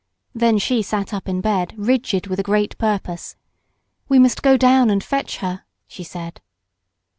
Then she sat up in bed rigid with a great purpose. "We must go down and fetch her," she said.